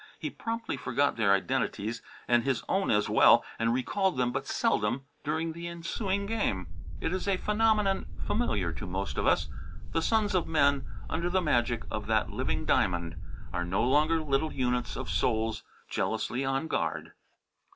He promptly forgot their identities, and his own as well, and recalled them but seldom during the ensuing game. It is a phenomenon familiar to most of us. The sons of men, under the magic of that living diamond, are no longer little units of souls jealously on guard.